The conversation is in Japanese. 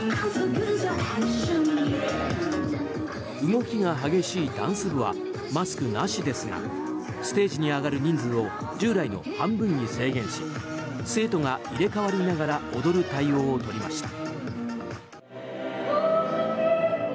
動きが激しいダンス部はマスクなしですがステージに上がる人数を従来の半分に制限し生徒が入れ替わりながら踊る対応を取りました。